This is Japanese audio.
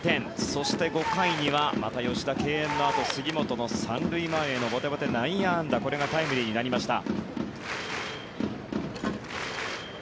そして５回にはまた吉田、敬遠のあと杉本の３塁前へのボテボテ内野安打これがタイムリーになりました。